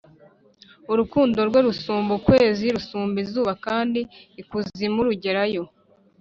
Urukundo rwe rusumba ukwezi rusumba izuba kandi ikuzimu rugerayo